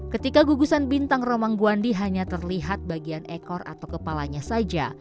ketika gugusan bintang romang buandi hanya terlihat bagian ekor atau kepalanya saja